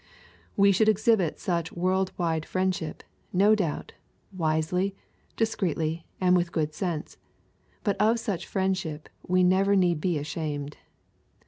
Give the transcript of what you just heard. We should exhibit such world wide friendship, no doubt, wisely, discreetly, and with good sense, but of such friendship we never need be ashamed.